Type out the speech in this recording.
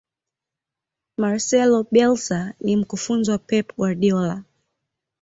marcelo bielsa ni mkufunzi wa pep guardiola